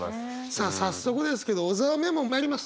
さあ早速ですけど小沢メモまいります。